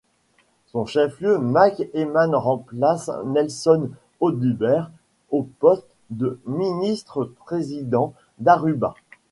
Son chef Mike Eman remplace Nelson Oduber au poste de Ministre-président d'Aruba.